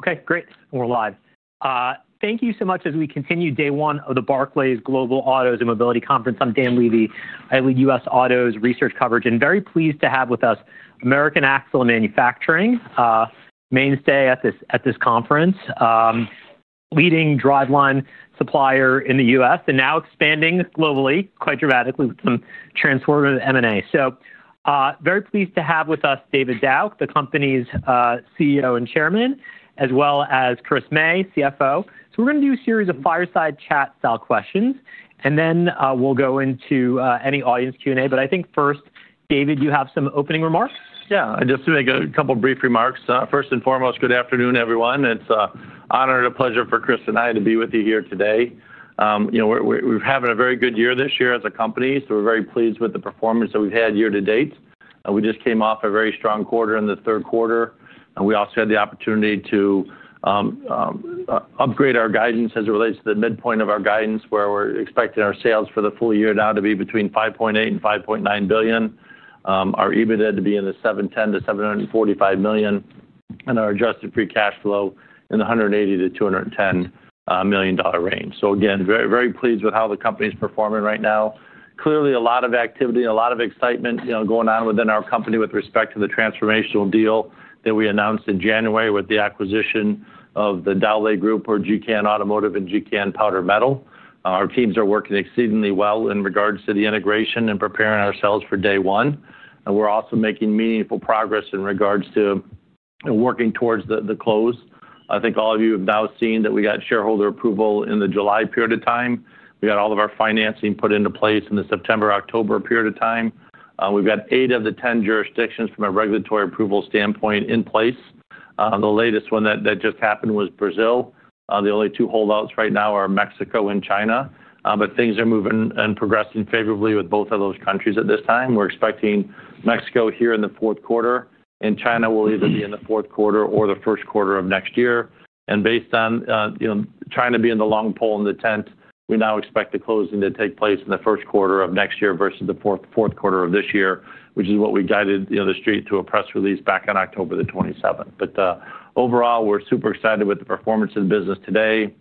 Okay, great. We're live. Thank you so much as we continue day one of the Barclays Global Autos and Mobility Conference. I'm Dan Levy. I lead US Autos research coverage and very pleased to have with us American Axle & Manufacturing, mainstay at this conference, leading driveline supplier in the U.S., and now expanding globally quite dramatically with some transformative M&A. Very pleased to have with us David Dauch, the company's CEO and Chairman, as well as Christopher May, CFO. We're going to do a series of fireside chat style questions, and then we'll go into any audience Q&A. I think first, David, you have some opening remarks. Yeah, just to make a couple of brief remarks. First and foremost, good afternoon, everyone. It's an honor and a pleasure for Christopher and I to be with you here today. We're having a very good year this year as a company, so we're very pleased with the performance that we've had year to date. We just came off a very strong quarter in the third quarter. We also had the opportunity to upgrade our guidance as it relates to the midpoint of our guidance, where we're expecting our sales for the full year now to be between $5.8 billion and $5.9 billion. Our EBITDA to be in the $710 million-$745 million, and our adjusted free cash flow in the $180 million-$210 million range. Again, very pleased with how the company is performing right now. Clearly, a lot of activity and a lot of excitement going on within our company with respect to the transformational deal that we announced in January with the acquisition of the Dowlais Group, or GKN Automotive and GKN Powder Metallurgy. Our teams are working exceedingly well in regards to the integration and preparing ourselves for day one. We are also making meaningful progress in regards to working towards the close. I think all of you have now seen that we got shareholder approval in the July period of time. We got all of our financing put into place in the September-October period of time. We have eight of the ten jurisdictions from a regulatory approval standpoint in place. The latest one that just happened was Brazil. The only two holdouts right now are Mexico and China. Things are moving and progressing favorably with both of those countries at this time. We're expecting Mexico here in the fourth quarter, and China will either be in the fourth quarter or the first quarter of next year. Based on China being the long pole in the tent, we now expect the closing to take place in the first quarter of next year versus the fourth quarter of this year, which is what we guided the street to a press release back on October the 27th. Overall, we're super excited with the performance of the business today,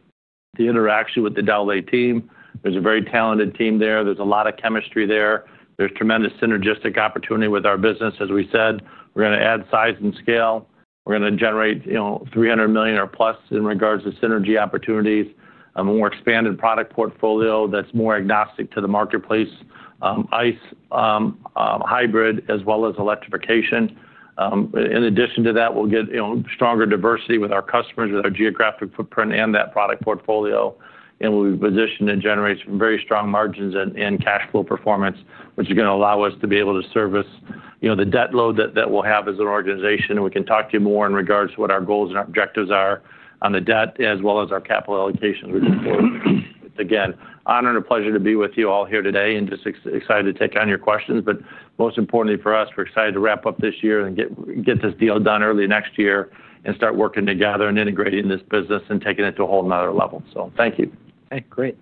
the interaction with the Dauch team. There's a very talented team there. There's a lot of chemistry there. There's tremendous synergistic opportunity with our business, as we said. We're going to add size and scale. We're going to generate $300 million or plus in regards to synergy opportunities. We'll expand a product portfolio that's more agnostic to the marketplace, ICE, hybrid, as well as electrification. In addition to that, we'll get stronger diversity with our customers with our geographic footprint and that product portfolio. We will be positioned to generate some very strong margins and cash flow performance, which is going to allow us to be able to service the debt load that we'll have as an organization. We can talk to you more in regards to what our goals and our objectives are on the debt, as well as our capital allocations. Again, honor and a pleasure to be with you all here today and just excited to take on your questions. Most importantly for us, we're excited to wrap up this year and get this deal done early next year and start working together and integrating this business and taking it to a whole nother level. Thank you. Okay, great.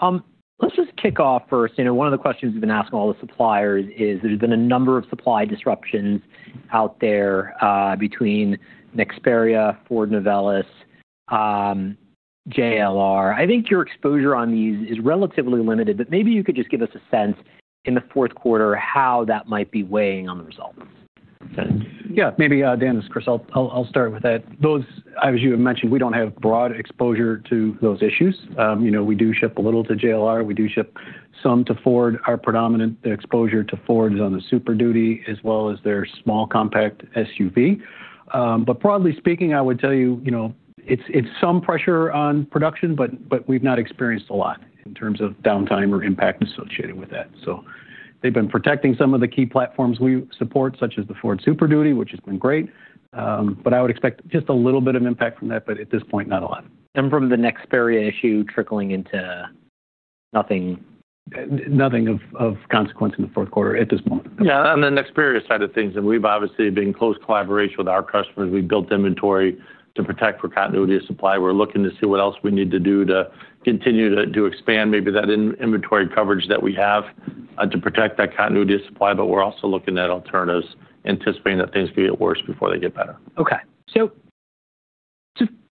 Let's just kick off first. One of the questions we've been asking all the suppliers is there's been a number of supply disruptions out there between Nexperia, Ford, Novelis, JLR. I think your exposure on these is relatively limited, but maybe you could just give us a sense in the fourth quarter how that might be weighing on the results. Yeah, maybe Dan, Christopher, I'll start with that. As you have mentioned, we don't have broad exposure to those issues. We do ship a little to JLR. We do ship some to Ford. Our predominant exposure to Ford is on the Super Duty, as well as their small compact SUV. Broadly speaking, I would tell you it's some pressure on production, but we've not experienced a lot in terms of downtime or impact associated with that. They have been protecting some of the key platforms we support, such as the Ford Super Duty, which has been great. I would expect just a little bit of impact from that, but at this point, not a lot. From the Nexperia issue trickling into nothing? Nothing of consequence in the fourth quarter at this moment. Yeah, on the Nexperia side of things, we've obviously been in close collaboration with our customers. We built inventory to protect for continuity of supply. We're looking to see what else we need to do to continue to expand maybe that inventory coverage that we have to protect that continuity of supply. We're also looking at alternatives, anticipating that things could get worse before they get better. Okay.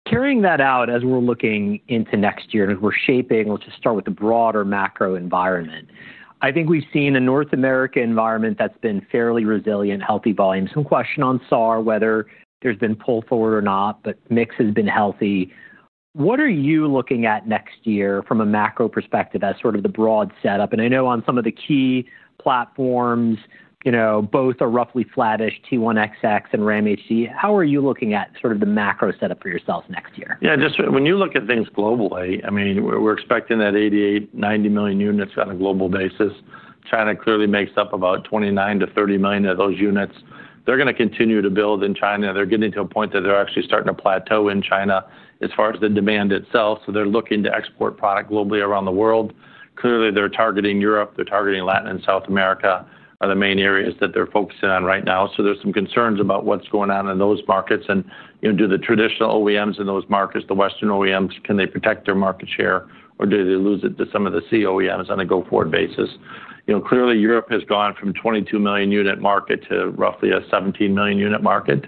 Carrying that out as we're looking into next year and as we're shaping, let's just start with the broader macro environment. I think we've seen a North American environment that's been fairly resilient, healthy volumes. Some question on SAR, whether there's been pull forward or not, but mix has been healthy. What are you looking at next year from a macro perspective as sort of the broad setup? I know on some of the key platforms, both a roughly flattish T1XX and RAMHC. How are you looking at sort of the macro setup for yourselves next year? Yeah, just when you look at things globally, I mean, we're expecting that 88-90 million units on a global basis. China clearly makes up about 29-30 million of those units. They're going to continue to build in China. They're getting to a point that they're actually starting to plateau in China as far as the demand itself. They're looking to export product globally around the world. Clearly, they're targeting Europe. They're targeting Latin and South America are the main areas that they're focusing on right now. There's some concerns about what's going on in those markets and do the traditional OEMs in those markets, the Western OEMs, can they protect their market share or do they lose it to some of the C OEMs on a go-forward basis? Clearly, Europe has gone from a 22 million unit market to roughly a 17 million unit market.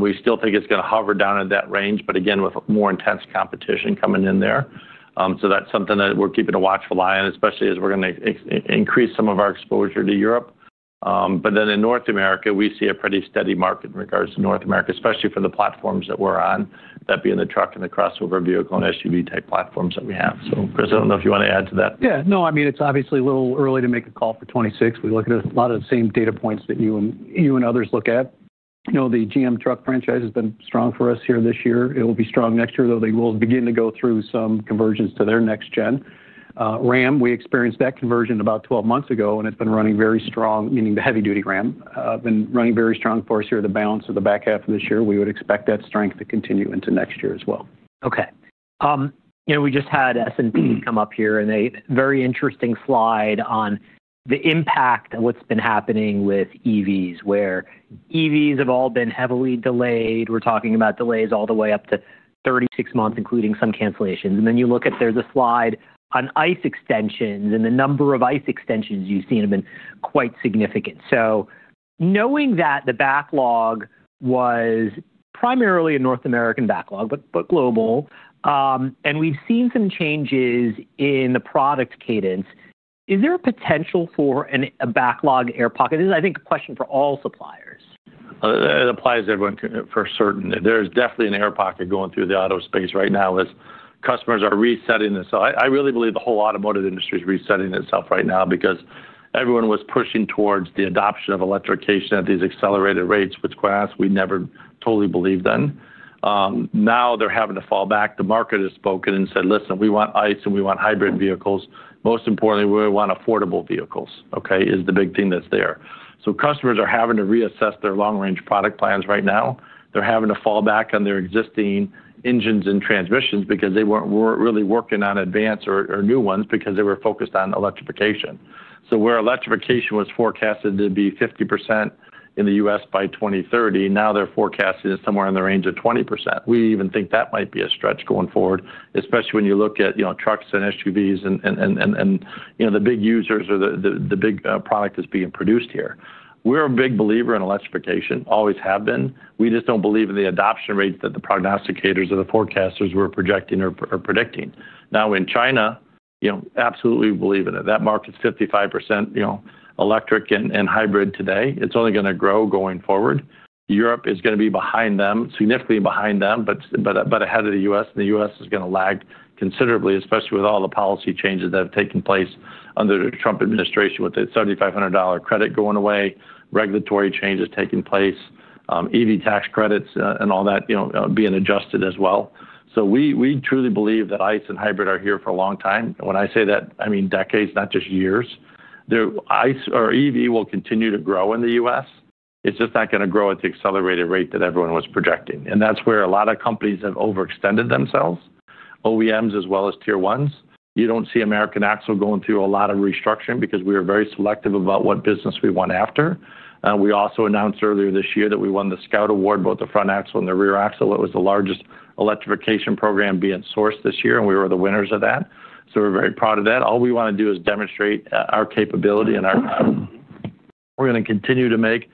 We still think it's going to hover down in that range, but again, with more intense competition coming in there. That is something that we're keeping a watchful eye on, especially as we're going to increase some of our exposure to Europe. In North America, we see a pretty steady market in regards to North America, especially for the platforms that we're on, that being the truck and the crossover vehicle and SUV type platforms that we have. Christopher, I don't know if you want to add to that. Yeah, no, I mean, it's obviously a little early to make a call for 2026. We look at a lot of the same data points that you and others look at. The GM truck franchise has been strong for us here this year. It will be strong next year, though they will begin to go through some convergence to their next gen. RAM, we experienced that conversion about 12 months ago and it's been running very strong, meaning the heavy-duty RAM, been running very strong for us here at the balance of the back half of this year. We would expect that strength to continue into next year as well. Okay. We just had S&P come up here and a very interesting slide on the impact of what's been happening with EVs, where EVs have all been heavily delayed. We're talking about delays all the way up to 36 months, including some cancellations. You look at there's a slide on ICE extensions and the number of ICE extensions you've seen have been quite significant. Knowing that the backlog was primarily a North American backlog, but global, and we've seen some changes in the product cadence, is there a potential for a backlog air pocket? This is, I think, a question for all suppliers. It applies to everyone for certain. There's definitely an air pocket going through the auto space right now as customers are resetting themselves. I really believe the whole automotive industry is resetting itself right now because everyone was pushing towards the adoption of electrification at these accelerated rates, which we never totally believed in. Now they're having to fall back. The market has spoken and said, "Listen, we want ICE and we want hybrid vehicles. Most importantly, we want affordable vehicles," okay, is the big thing that's there. Customers are having to reassess their long-range product plans right now. They're having to fall back on their existing engines and transmissions because they weren't really working on advanced or new ones because they were focused on electrification. Where electrification was forecasted to be 50% in the U.S. by 2030, now they're forecasting it somewhere in the range of 20%. We even think that might be a stretch going forward, especially when you look at trucks and SUVs and the big users or the big product that's being produced here. We're a big believer in electrification, always have been. We just don't believe in the adoption rates that the prognosticators or the forecasters were projecting or predicting. Now in China, absolutely believe in it. That market's 55% electric and hybrid today. It's only going to grow going forward. Europe is going to be behind them, significantly behind them, but ahead of the U.S. The U.S. is going to lag considerably, especially with all the policy changes that have taken place under the Trump administration with the $7,500 credit going away, regulatory changes taking place, EV tax credits and all that being adjusted as well. We truly believe that ICE and hybrid are here for a long time. When I say that, I mean decades, not just years. ICE or EV will continue to grow in the U.S. It's just not going to grow at the accelerated rate that everyone was projecting. That is where a lot of companies have overextended themselves, OEMs as well as tier ones. You do not see American Axle & Manufacturing going through a lot of restructuring because we are very selective about what business we want after. We also announced earlier this year that we won the Scout Award, both the front axle and the rear axle. It was the largest electrification program being sourced this year, and we were the winners of that. We are very proud of that. All we want to do is demonstrate our capability and our value. We are going to continue to make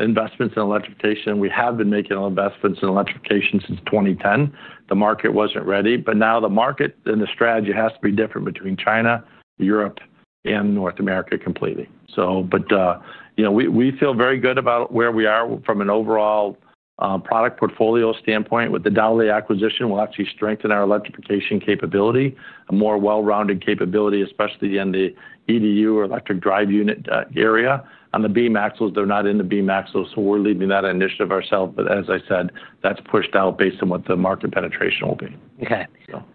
investments in electrification. We have been making investments in electrification since 2010. The market was not ready, but now the market and the strategy has to be different between China, Europe, and North America completely. We feel very good about where we are from an overall product portfolio standpoint. With the Dauch acquisition, we will actually strengthen our electrification capability, a more well-rounded capability, especially in the EDU or electric drive unit area. On the beam axles, they are not in the beam axles, so we are leading that initiative ourselves. As I said, that is pushed out based on what the market penetration will be. Okay.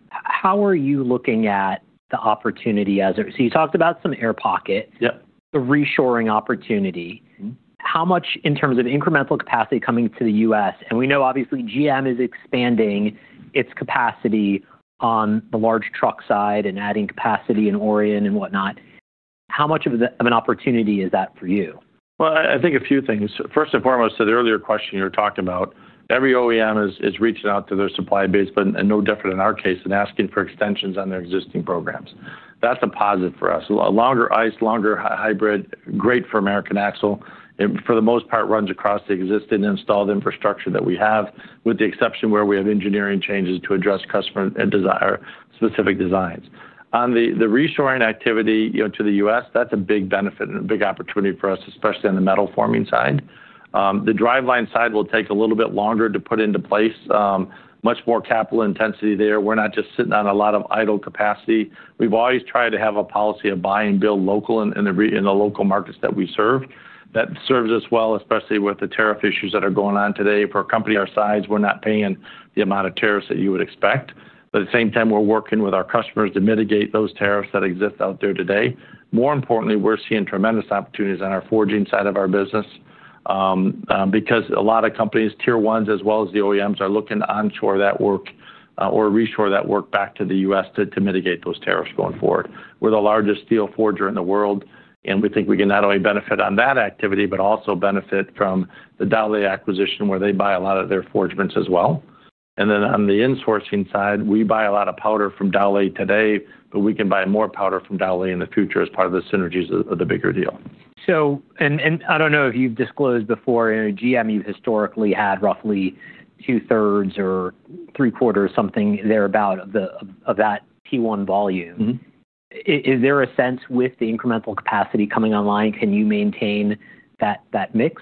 How are you looking at the opportunity as it? You talked about some air pocket, the reshoring opportunity. How much in terms of incremental capacity coming to the U.S.? We know obviously GM is expanding its capacity on the large truck side and adding capacity in Orion and whatnot. How much of an opportunity is that for you? I think a few things. First and foremost, to the earlier question you were talking about, every OEM is reaching out to their supply base, but no different in our case in asking for extensions on their existing programs. That's a positive for us. A longer ICE, longer hybrid, great for American Axle & Manufacturing, for the most part, runs across the existing installed infrastructure that we have, with the exception where we have engineering changes to address customer and desire specific designs. On the reshoring activity to the U.S., that's a big benefit and a big opportunity for us, especially on the metal forming side. The driveline side will take a little bit longer to put into place. Much more capital intensity there. We're not just sitting on a lot of idle capacity. We've always tried to have a policy of buy and build local in the local markets that we serve. That serves us well, especially with the tariff issues that are going on today. For a company our size, we're not paying the amount of tariffs that you would expect. At the same time, we're working with our customers to mitigate those tariffs that exist out there today. More importantly, we're seeing tremendous opportunities on our forging side of our business because a lot of companies, tier ones as well as the OEMs, are looking to onshore that work or reshore that work back to the U.S. to mitigate those tariffs going forward. We're the largest steel forger in the world, and we think we can not only benefit on that activity, but also benefit from the Dauch acquisition where they buy a lot of their forgements as well. On the insourcing side, we buy a lot of powder from Dauch today, but we can buy more powder from Dauch in the future as part of the synergies of the bigger deal. I don't know if you've disclosed before, GM, you've historically had roughly two-thirds or three-quarters, something thereabout of that T1 volume. Is there a sense with the incremental capacity coming online, can you maintain that mix?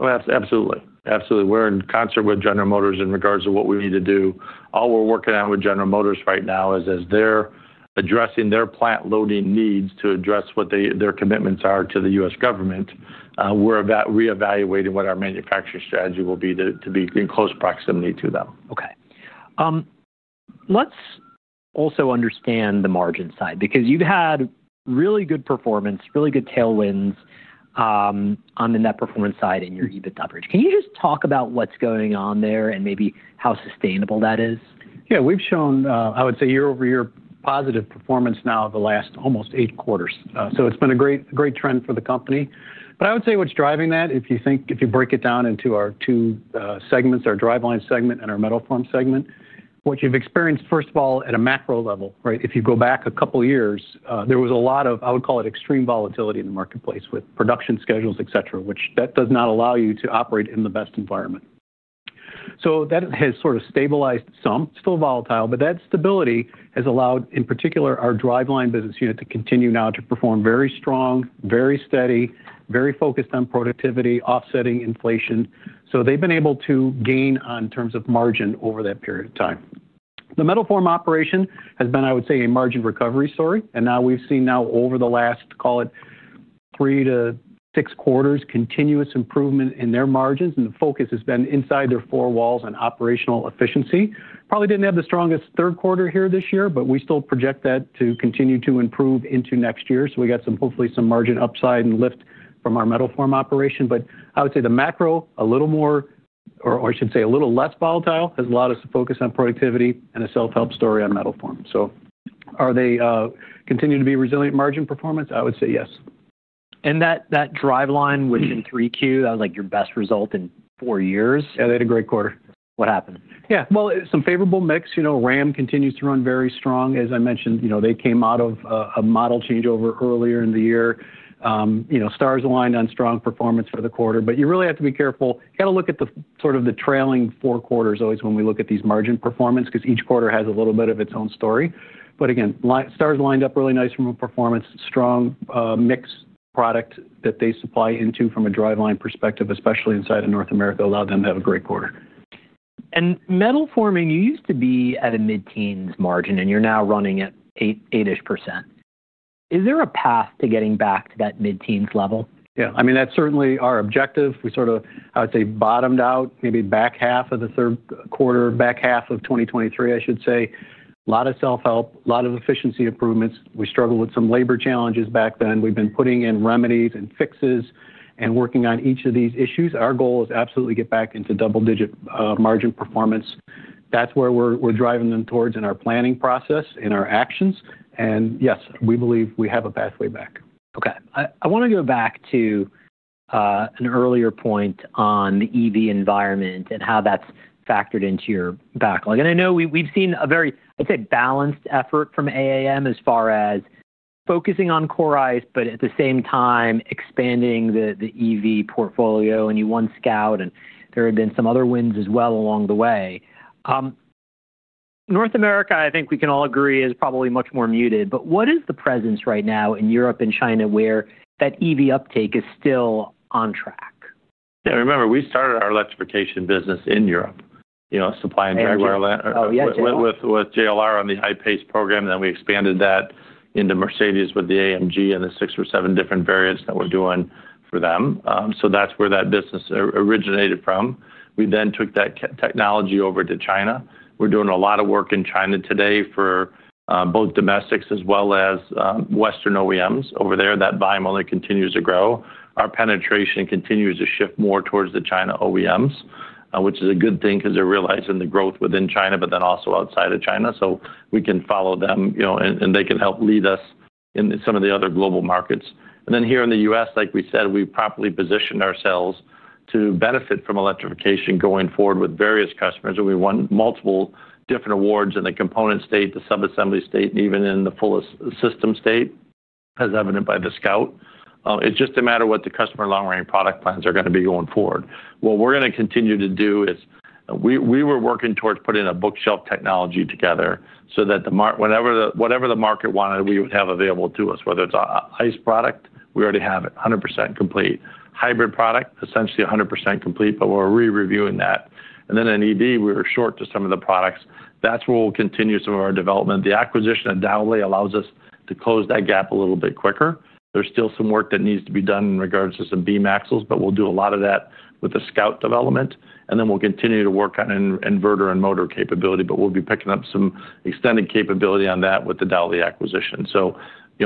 Absolutely. Absolutely. We're in concert with General Motors in regards to what we need to do. All we're working on with General Motors right now is as they're addressing their plant loading needs to address what their commitments are to the US government, we're reevaluating what our manufacturing strategy will be to be in close proximity to them. Okay. Let's also understand the margin side because you've had really good performance, really good tailwinds on the net performance side in your EBITDA average. Can you just talk about what's going on there and maybe how sustainable that is? Yeah, we've shown, I would say year-over-year, positive performance now over the last almost eight quarters. It's been a great trend for the company. I would say what's driving that, if you break it down into our two segments, our driveline segment and our metal form segment, what you've experienced, first of all, at a macro level, right? If you go back a couple of years, there was a lot of, I would call it extreme volatility in the marketplace with production schedules, etc., which does not allow you to operate in the best environment. That has sort of stabilized some. It's still volatile, but that stability has allowed, in particular, our driveline business unit to continue now to perform very strong, very steady, very focused on productivity, offsetting inflation. They've been able to gain in terms of margin over that period of time. The metal form operation has been, I would say, a margin recovery story. Now we've seen over the last, call it three-six quarters, continuous improvement in their margins. The focus has been inside their four walls on operational efficiency. Probably didn't have the strongest third quarter here this year, but we still project that to continue to improve into next year. We got hopefully some margin upside and lift from our metal form operation. I would say the macro, a little more, or I should say a little less volatile, has allowed us to focus on productivity and a self-help story on metal form. Are they continuing to be resilient margin performance? I would say yes. That driveline was in 3Q. That was like your best result in four years. Yeah, they had a great quarter. What happened? Yeah, some favorable mix. Ram continues to run very strong. As I mentioned, they came out of a model changeover earlier in the year. Stars aligned on strong performance for the quarter. You really have to be careful. You got to look at the sort of the trailing four quarters always when we look at these margin performance because each quarter has a little bit of its own story. Again, stars lined up really nice from a performance, strong mixed product that they supply into from a driveline perspective, especially inside of North America, allowed them to have a great quarter. Metal forming, you used to be at a mid-teens margin and you're now running at eight-ish %. Is there a path to getting back to that mid-teens level? Yeah. I mean, that's certainly our objective. We sort of, I would say, bottomed out maybe back half of the third quarter, back half of 2023, I should say. A lot of self-help, a lot of efficiency improvements. We struggled with some labor challenges back then. We've been putting in remedies and fixes and working on each of these issues. Our goal is absolutely to get back into double-digit margin performance. That's where we're driving them towards in our planning process, in our actions. Yes, we believe we have a pathway back. Okay. I want to go back to an earlier point on the EV environment and how that's factored into your backlog. I know we've seen a very, I'd say, balanced effort from AAM as far as focusing on core ICE, but at the same time expanding the EV portfolio. You won Scout and there had been some other wins as well along the way. North America, I think we can all agree is probably much more muted. What is the presence right now in Europe and China where that EV uptake is still on track? Yeah. Remember, we started our electrification business in Europe, supplying driveline with Jaguar Land Rover on the high-paced program. We expanded that into Mercedes-Benz with the AMG and the six or seven different variants that we're doing for them. That is where that business originated from. We then took that technology over to China. We're doing a lot of work in China today for both domestics as well as Western OEMs over there. That volume only continues to grow. Our penetration continues to shift more towards the China OEMs, which is a good thing because they're realizing the growth within China, but also outside of China. We can follow them and they can help lead us in some of the other global markets. Here in the U.S., like we said, we properly positioned ourselves to benefit from electrification going forward with various customers. We won multiple different awards in the component state, the subassembly state, and even in the full system state, as evident by the Scout. It is just a matter of what the customer long-range product plans are going to be going forward. What we are going to continue to do is we were working towards putting a bookshelf technology together so that whatever the market wanted, we would have available to us, whether it is an ICE product, we already have it 100% complete. Hybrid product, essentially 100% complete, but we are re-reviewing that. And then in EDU, we were short to some of the products. That is where we will continue some of our development. The acquisition of Dowlais allows us to close that gap a little bit quicker. There's still some work that needs to be done in regards to some beam axles, but we'll do a lot of that with the Scout development. We'll continue to work on inverter and motor capability, but we'll be picking up some extended capability on that with the Dauch acquisition.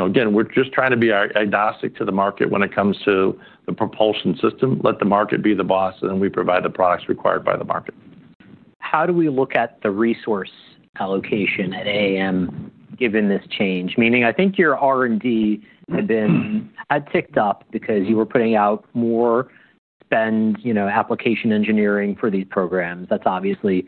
Again, we're just trying to be agnostic to the market when it comes to the propulsion system. Let the market be the boss and then we provide the products required by the market. How do we look at the resource allocation at AAM given this change? Meaning, I think your R&D had ticked up because you were putting out more spend application engineering for these programs. That's obviously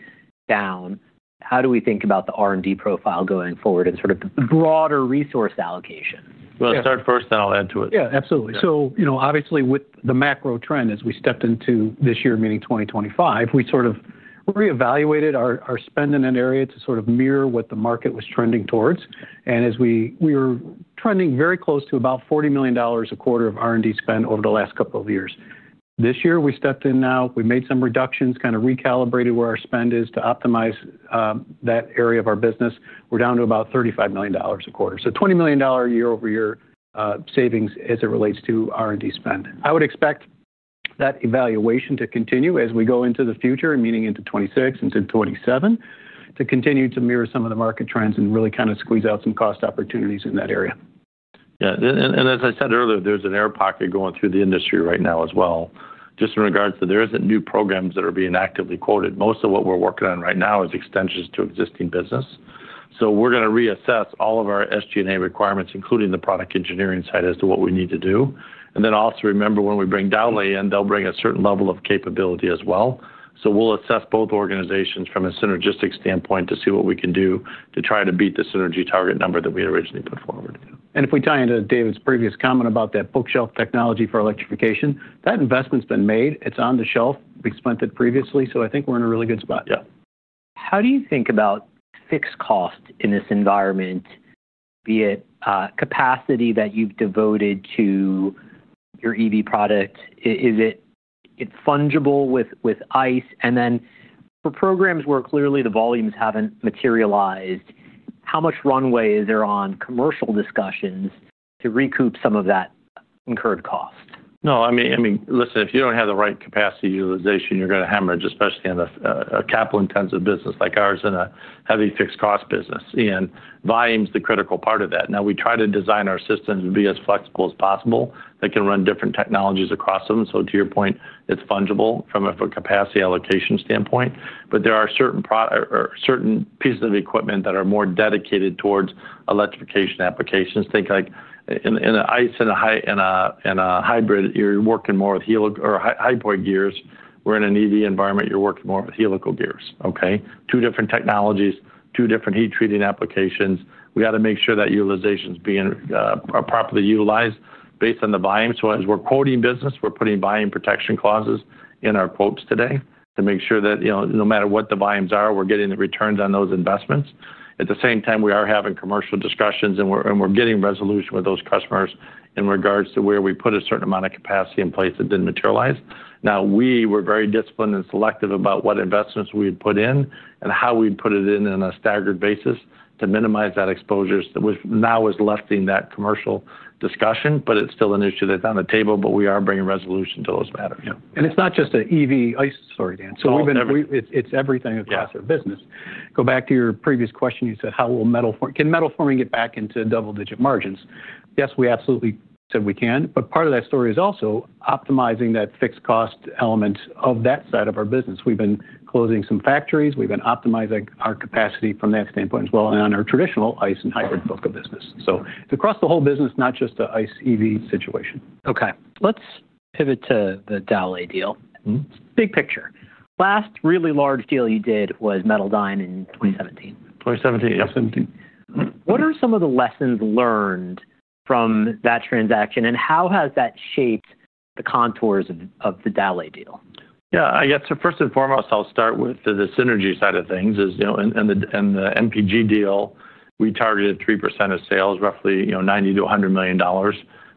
down. How do we think about the R&D profile going forward and sort of the broader resource allocation? Start first, then I'll add to it. Yeah, absolutely. Obviously with the macro trend as we stepped into this year, meaning 2025, we sort of reevaluated our spend in an area to sort of mirror what the market was trending towards. As we were trending very close to about $40 million a quarter of R&D spend over the last couple of years, this year we stepped in now. We made some reductions, kind of recalibrated where our spend is to optimize that area of our business. We're down to about $35 million a quarter. So $20 million year-over-year savings as it relates to R&D spend. I would expect that evaluation to continue as we go into the future, meaning into 2026 and into 2027, to continue to mirror some of the market trends and really kind of squeeze out some cost opportunities in that area. Yeah. As I said earlier, there's an air pocket going through the industry right now as well. Just in regards to there are not new programs that are being actively quoted. Most of what we're working on right now is extensions to existing business. We are going to reassess all of our SG&A requirements, including the product engineering side as to what we need to do. Also, remember when we bring Dauch in, they'll bring a certain level of capability as well. We will assess both organizations from a synergistic standpoint to see what we can do to try to beat the synergy target number that we originally put forward. If we tie into David's previous comment about that bookshelf technology for electrification, that investment's been made. It's on the shelf. We've spent it previously. I think we're in a really good spot. Yeah. How do you think about fixed costs in this environment, be it capacity that you've devoted to your EV product? Is it fungible with ICE? And then for programs where clearly the volumes haven't materialized, how much runway is there on commercial discussions to recoup some of that incurred cost? No, I mean, listen, if you do not have the right capacity utilization, you are going to hemorrhage, especially in a capital-intensive business like ours and a heavy fixed cost business. Volume is the critical part of that. Now, we try to design our systems to be as flexible as possible that can run different technologies across them. To your point, it is fungible from a capacity allocation standpoint. There are certain pieces of equipment that are more dedicated towards electrification applications. Think like in the ICE and a hybrid, you are working more with hypoid gears. In an EV environment, you are working more with helical gears, okay? Two different technologies, two different heat treating applications. We have to make sure that utilization is being properly utilized based on the volume. As we're quoting business, we're putting volume protection clauses in our quotes today to make sure that no matter what the volumes are, we're getting the returns on those investments. At the same time, we are having commercial discussions and we're getting resolution with those customers in regards to where we put a certain amount of capacity in place that didn't materialize. Now, we were very disciplined and selective about what investments we'd put in and how we'd put it in on a staggered basis to minimize that exposure, which now is left in that commercial discussion, but it's still an issue that's on the table, but we are bringing resolution to those matters. Yeah. It is not just an EV ICE, sorry, Dan. It is everything across our business. Go back to your previous question. You said, how will metal forming get back into double-digit margins? Yes, we absolutely said we can. Part of that story is also optimizing that fixed cost element of that side of our business. We have been closing some factories. We have been optimizing our capacity from that standpoint as well and on our traditional ICE and hybrid book of business. It is across the whole business, not just the ICE EV situation. Okay. Let's pivot to the Dowlais deal. Big picture. Last really large deal you did was Metaldyne in 2017. 2017, yeah. What are some of the lessons learned from that transaction and how has that shaped the contours of the Dauch deal? Yeah. I guess first and foremost, I'll start with the synergy side of things. In the MPG deal, we targeted 3% of sales, roughly $90-$100 million.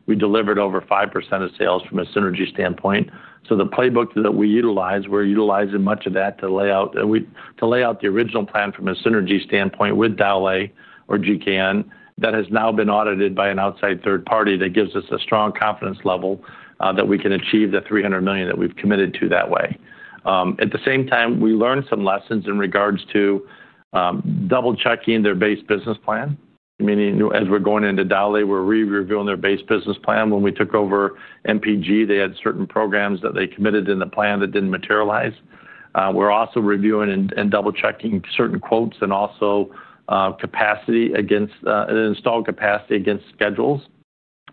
We delivered over 5% of sales from a synergy standpoint. The playbook that we utilized, we're utilizing much of that to lay out the original plan from a synergy standpoint with Dauch or GKN. That has now been audited by an outside third party that gives us a strong confidence level that we can achieve the $300 million that we've committed to that way. At the same time, we learned some lessons in regards to double-checking their base business plan. Meaning, as we're going into Dauch, we're re-reviewing their base business plan. When we took over MPG, they had certain programs that they committed in the plan that didn't materialize. We're also reviewing and double-checking certain quotes and also installed capacity against schedules.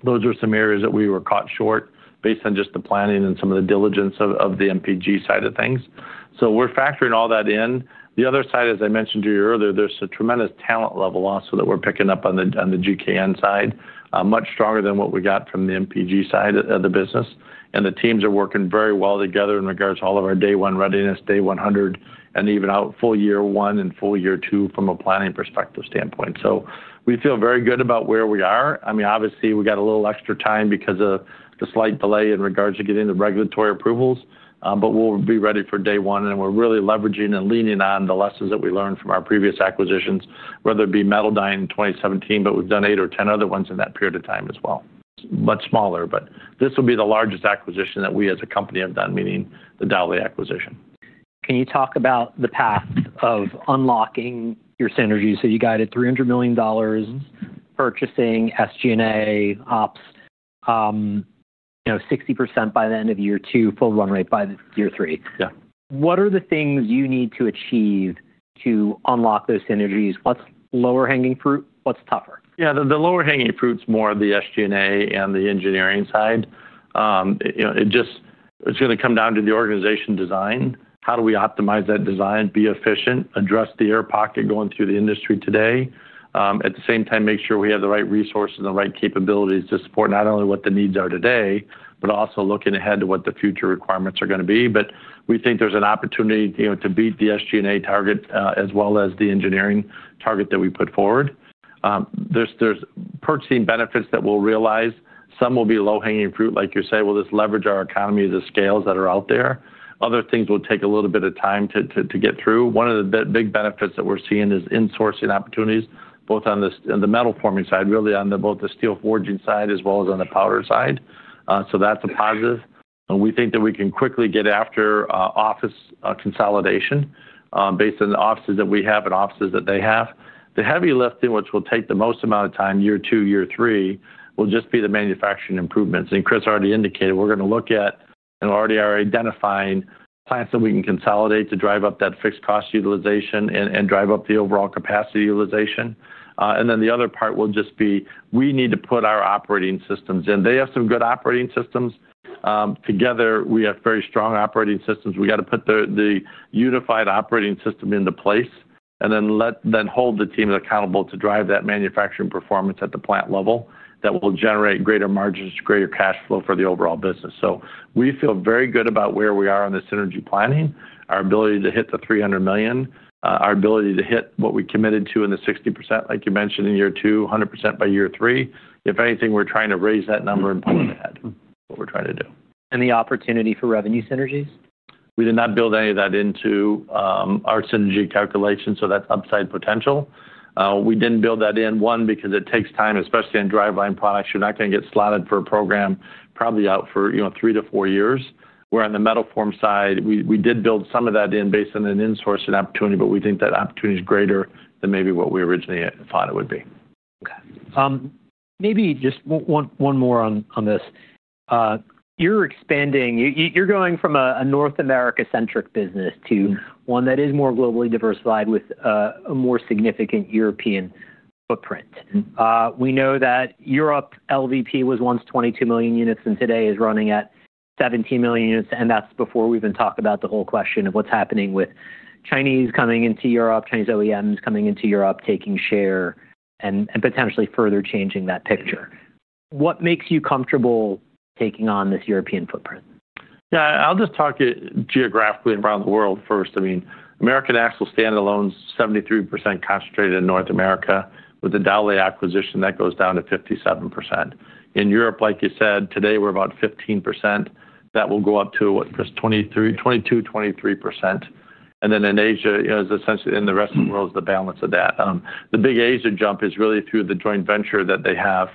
Those are some areas that we were caught short based on just the planning and some of the diligence of the MPG side of things. We're factoring all that in. The other side, as I mentioned to you earlier, there's a tremendous talent level also that we're picking up on the GKN side, much stronger than what we got from the MPG side of the business. The teams are working very well together in regards to all of our day one readiness, day 100, and even out full year one and full year two from a planning perspective standpoint. We feel very good about where we are. I mean, obviously, we got a little extra time because of the slight delay in regards to getting the regulatory approvals, but we'll be ready for day one. We're really leveraging and leaning on the lessons that we learned from our previous acquisitions, whether it be Metaldyne in 2017, but we've done eight or ten other ones in that period of time as well. It's much smaller, but this will be the largest acquisition that we as a company have done, meaning the Dowlais acquisition. Can you talk about the path of unlocking your synergy? You guided $300 million purchasing SG&A ops, 60% by the end of year two, full run rate by year three. What are the things you need to achieve to unlock those synergies? What's lower hanging fruit? What's tougher? Yeah. The lower hanging fruit's more the SG&A and the engineering side. It's going to come down to the organization design. How do we optimize that design, be efficient, address the air pocket going through the industry today? At the same time, make sure we have the right resources and the right capabilities to support not only what the needs are today, but also looking ahead to what the future requirements are going to be. We think there's an opportunity to beat the SG&A target as well as the engineering target that we put forward. There's purchasing benefits that we'll realize. Some will be low hanging fruit, like you say, will just leverage our economy of the scales that are out there. Other things will take a little bit of time to get through. One of the big benefits that we're seeing is insourcing opportunities, both on the metal forming side, really on both the steel forging side as well as on the powder side. That's a positive. We think that we can quickly get after office consolidation based on the offices that we have and offices that they have. The heavy lifting, which will take the most amount of time year two, year three, will just be the manufacturing improvements. Christopher already indicated we're going to look at and already are identifying plants that we can consolidate to drive up that fixed cost utilization and drive up the overall capacity utilization. The other part will just be we need to put our operating systems in. They have some good operating systems. Together, we have very strong operating systems. We got to put the unified operating system into place and then hold the teams accountable to drive that manufacturing performance at the plant level that will generate greater margins, greater cash flow for the overall business. We feel very good about where we are on the synergy planning, our ability to hit the $300 million, our ability to hit what we committed to in the 60%, like you mentioned in year two, 100% by year three. If anything, we're trying to raise that number and pull it ahead. That's what we're trying to do. Any opportunity for revenue synergies? We did not build any of that into our synergy calculation, so that's upside potential. We didn't build that in, one, because it takes time, especially in driveline products. You're not going to get slotted for a program probably out for three to four years. Where on the metal forming side, we did build some of that in based on an insourcing opportunity, but we think that opportunity is greater than maybe what we originally thought it would be. Okay. Maybe just one more on this. You're going from a North America-centric business to one that is more globally diversified with a more significant European footprint. We know that Europe LVP was once 22 million units and today is running at 17 million units. That is before we even talk about the whole question of what's happening with Chinese coming into Europe, Chinese OEMs coming into Europe, taking share and potentially further changing that picture. What makes you comfortable taking on this European footprint? Yeah. I'll just talk geographically around the world first. I mean, American Axle standalone, 73% concentrated in North America with the Dauch acquisition that goes down to 57%. In Europe, like you said, today we're about 15%. That will go up to, what, Chris, 22%-23%. And then in Asia, essentially in the rest of the world is the balance of that. The big Asia jump is really through the joint venture that they have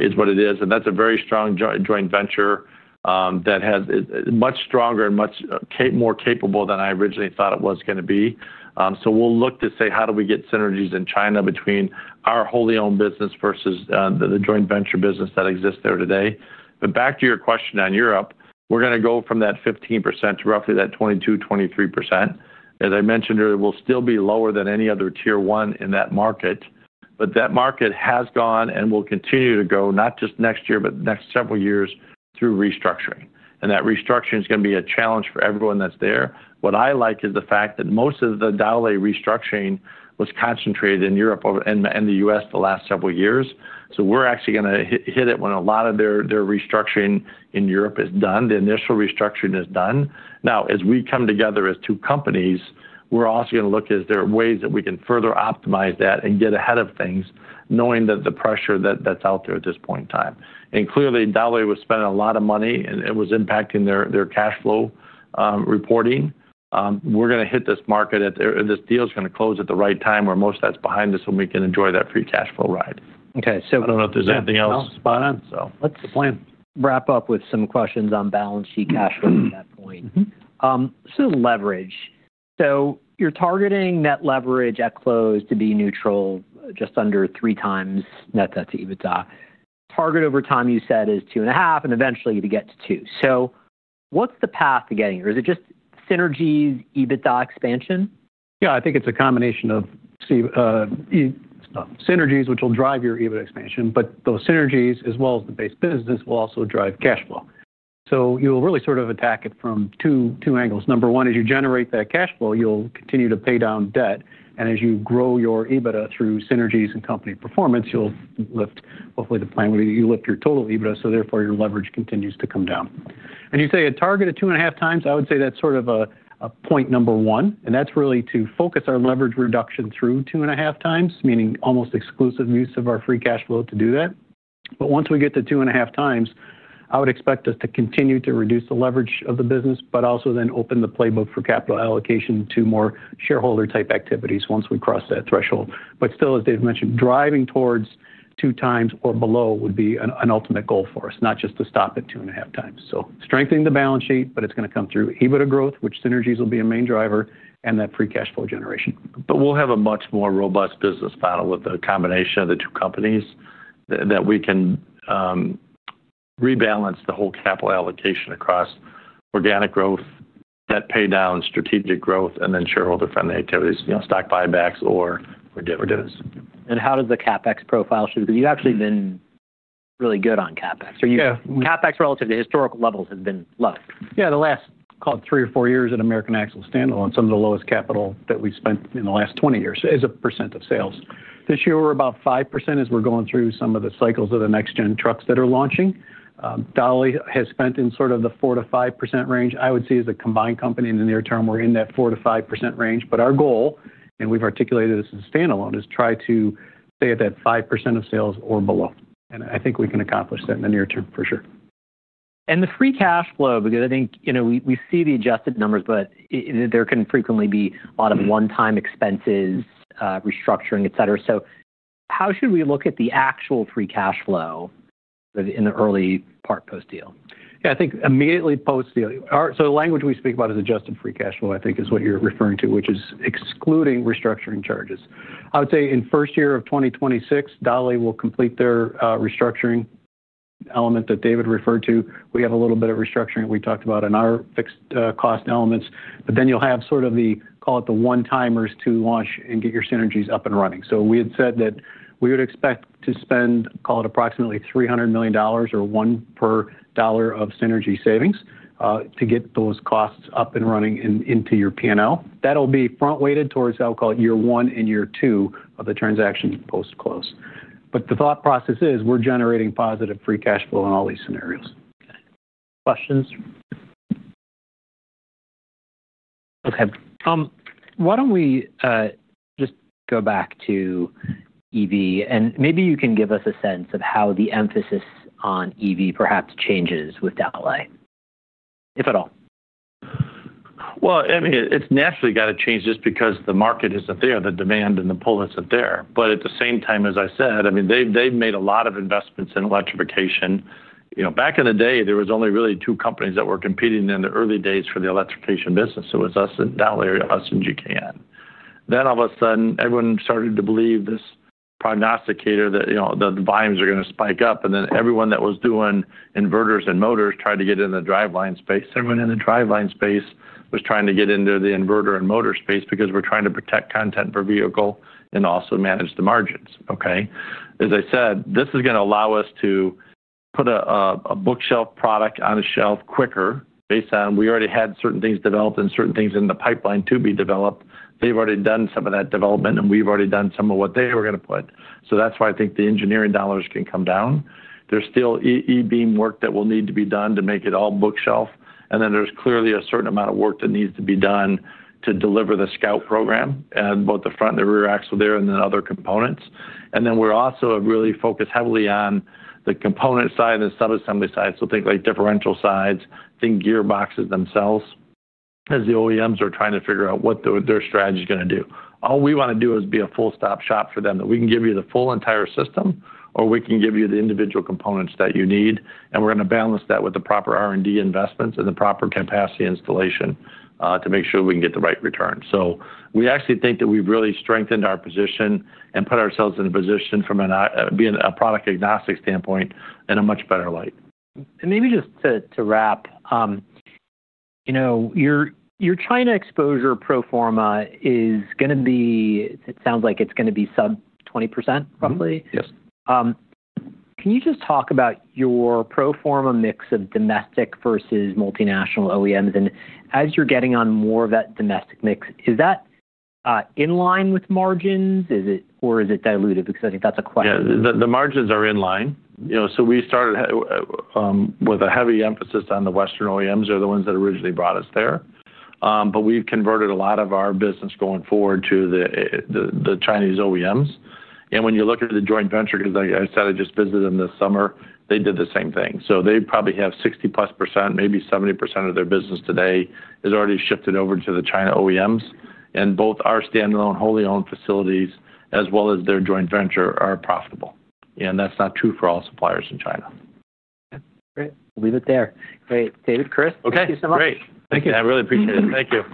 is what it is. And that's a very strong joint venture that is much stronger and much more capable than I originally thought it was going to be. We'll look to say, how do we get synergies in China between our wholly owned business versus the joint venture business that exists there today? Back to your question on Europe, we're going to go from that 15% to roughly that 22%23%. As I mentioned earlier, we'll still be lower than any other Tier 1 in that market. That market has gone and will continue to go, not just next year, but the next several years through restructuring. That restructuring is going to be a challenge for everyone that's there. What I like is the fact that most of the Dauch restructuring was concentrated in Europe and the U.S. the last several years. We're actually going to hit it when a lot of their restructuring in Europe is done. The initial restructuring is done. Now, as we come together as two companies, we're also going to look as there are ways that we can further optimize that and get ahead of things knowing that the pressure that's out there at this point in time. Clearly, Dauch was spending a lot of money and it was impacting their cash flow reporting. We are going to hit this market. This deal is going to close at the right time where most of that is behind us and we can enjoy that free cash flow ride. Okay. So. I don't know if there's anything else. Spot on. That's the plan. Wrap up with some questions on balance sheet cash flow at that point. Leverage. You're targeting net leverage at close to be neutral, just under three times net debt to EBITDA. Target over time, you said, is two and a half and eventually to get to two. What's the path to getting there? Is it just synergies, EBITDA expansion? Yeah. I think it's a combination of synergies, which will drive your EBITDA expansion. Those synergies, as well as the base business, will also drive cash flow. You will really sort of attack it from two angles. Number one, as you generate that cash flow, you'll continue to pay down debt. As you grow your EBITDA through synergies and company performance, you'll lift, hopefully, the plan where you lift your total EBITDA, so therefore your leverage continues to come down. You say a target of two and a half times, I would say that's sort of a point number one. That's really to focus our leverage reduction through two and a half times, meaning almost exclusive use of our free cash flow to do that. Once we get to two and a half times, I would expect us to continue to reduce the leverage of the business, but also then open the playbook for capital allocation to more shareholder-type activities once we cross that threshold. Still, as David mentioned, driving towards two times or below would be an ultimate goal for us, not just to stop at two and a half times. Strengthening the balance sheet, but it's going to come through EBITDA growth, which synergies will be a main driver, and that free cash flow generation. We will have a much more robust business model with a combination of the two companies that we can rebalance the whole capital allocation across organic growth, debt pay down, strategic growth, and then shareholder-friendly activities, stock buybacks or dividends. How does the CapEx profile should be? You've actually been really good on CapEx. CapEx relative to historical levels has been low. Yeah. The last, call it three or four years at American Axle standalone, some of the lowest capital that we've spent in the last 20 years as a percent of sales. This year, we're about 5% as we're going through some of the cycles of the next-gen trucks that are launching. Dauch has spent in sort of the 4%-5% range. I would see as a combined company in the near term, we're in that 4%-5% range. Our goal, and we've articulated this as standalone, is try to stay at that 5% of sales or below. I think we can accomplish that in the near term for sure. The free cash flow, because I think we see the adjusted numbers, but there can frequently be a lot of one-time expenses, restructuring, etc. How should we look at the actual free cash flow in the early part post-deal? Yeah. I think immediately post-deal, the language we speak about is adjusted free cash flow, I think, is what you're referring to, which is excluding restructuring charges. I would say in first year of 2026, Dauch will complete their restructuring element that David referred to. We have a little bit of restructuring that we talked about in our fixed cost elements. You will have sort of the, call it the one-timers to launch and get your synergies up and running. We had said that we would expect to spend, call it approximately $300 million or one per dollar of synergy savings to get those costs up and running into your P&L. That will be front-weighted towards, I'll call it, year one and year two of the transaction post-close. The thought process is we're generating positive free cash flow in all these scenarios. Okay. Questions? Okay. Why don't we just go back to EV? And maybe you can give us a sense of how the emphasis on EV perhaps changes with Dauch, if at all. I mean, it's naturally got to change just because the market isn't there, the demand and the pull isn't there. At the same time, as I said, I mean, they've made a lot of investments in electrification. Back in the day, there was only really two companies that were competing in the early days for the electrification business. It was us and Dauch and us and GKN. All of a sudden, everyone started to believe this prognosticator that the volumes are going to spike up. Everyone that was doing inverters and motors tried to get in the driveline space. Everyone in the driveline space was trying to get into the inverter and motor space because we're trying to protect content per vehicle and also manage the margins. Okay? As I said, this is going to allow us to put a bookshelf product on a shelf quicker based on we already had certain things developed and certain things in the pipeline to be developed. They've already done some of that development and we've already done some of what they were going to put. That is why I think the engineering dollars can come down. There is still E beam work that will need to be done to make it all bookshelf. There is clearly a certain amount of work that needs to be done to deliver the Scout program and both the front and the rear axle there and then other components. We are also really focused heavily on the component side and the sub-assembly side. Think like differential sides, think gearboxes themselves as the OEMs are trying to figure out what their strategy is going to do. All we want to do is be a full-stop shop for them. We can give you the full entire system or we can give you the individual components that you need. We are going to balance that with the proper R&D investments and the proper capacity installation to make sure we can get the right return. We actually think that we have really strengthened our position and put ourselves in a position from a product agnostic standpoint in a much better light. Maybe just to wrap, your China exposure pro forma is going to be, it sounds like it's going to be sub 20% roughly. Yes. Can you just talk about your pro forma mix of domestic versus multinational OEMs? As you're getting on more of that domestic mix, is that in line with margins or is it diluted? I think that's a question. Yeah. The margins are in line. We started with a heavy emphasis on the Western OEMs are the ones that originally brought us there. We have converted a lot of our business going forward to the Chinese OEMs. When you look at the joint venture, because I said I just visited them this summer, they did the same thing. They probably have 60-plus %, maybe 70% of their business today is already shifted over to the China OEMs. Both our standalone, wholly owned facilities as well as their joint venture are profitable. That is not true for all suppliers in China. Okay. Great. We'll leave it there. Great. David, Christopher, thank you so much. Okay. Great. Thank you. I really appreciate it. Thank you.